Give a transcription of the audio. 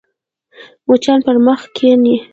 مچان پر مخ کښېني